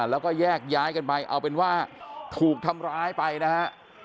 แล้วก็แยกย้ายกันไปเอาเป็นว่าถูกทำร้ายไปนะฮะ